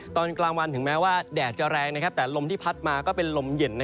ตอนกลางวันถึงแม้ว่าแดดจะแรงแต่ลมที่พัดมาก็เป็นลมเย็น